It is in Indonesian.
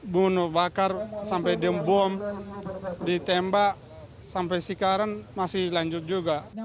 bunuh bakar sampai diembom ditembak sampai sekarang masih lanjut juga